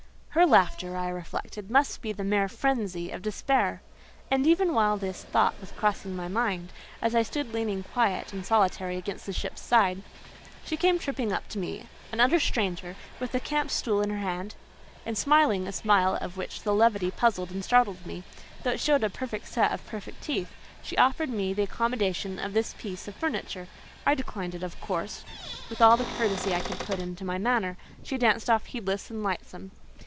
"Her laughter," I reflected, "must be the mere frenzy of despair." And even while this thought was crossing my mind, as I stood leaning quiet and solitary against the ship's side, she came tripping up to me, an utter stranger, with a camp stool in her hand, and smiling a smile of which the levity puzzled and startled me, though it showed a perfect set of perfect teeth, she offered me the accommodation of this piece of furniture. I declined it of course, with all the courtesy I could put into my manner; she danced off heedless and lightsome.